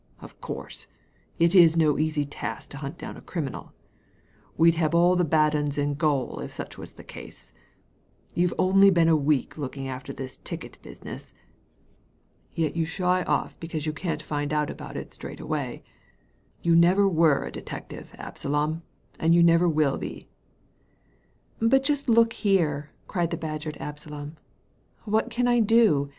"Of course, it is no easy task to hunt down a criminal. We'd have all the bad 'uns in gaol if such was the case. You've only been a week looking after this ticket business, yet you shy off just because you can't «93 o Digitized by Google 194 THE LADY FROM NOWHERE find out about it straight away. You never were a detective, Absalom, and you never will be t '' ''But just look here/' cried the badgered AbsalooL " What can I do